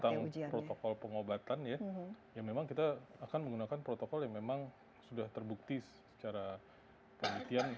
tentang protokol pengobatan ya memang kita akan menggunakan protokol yang memang sudah terbukti secara penelitian